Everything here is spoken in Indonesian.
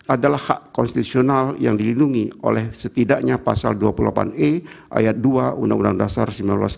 adalah hak konstitusional yang dilindungi oleh setidaknya pasal dua puluh delapan e ayat dua undang undang dasar seribu sembilan ratus empat puluh